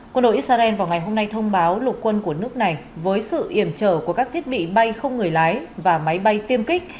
quân đội israel vào ngày hôm nay thông báo lục quân của nước này với sự iểm trở của các thiết bị bay không người lái và máy bay tiêm kích